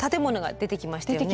出てきましたね。